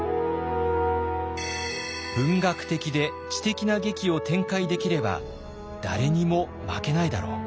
文学的で知的な劇を展開できれば誰にも負けないだろう。